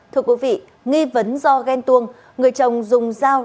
thưa quý vị nghi vấn do ghen tuông người chồng dùng dao